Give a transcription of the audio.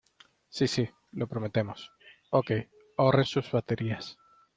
¡ Sí! ¡ sí !¡ lo prometemos !¡ ok ! ahorren sus baterías.